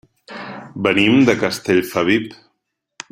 Venim de Castellfabib.